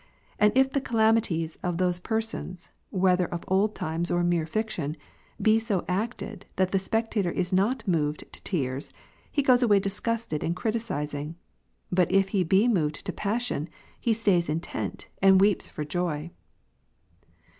And if the calamities of those persons (whether of old times, or mere fiction) be so acted, that the spectator is not moved to tears, he goes away disgusted and criticising : but if he be moved to passion, he stays intent, and Aveeps for joy.